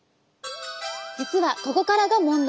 実はここからが問題。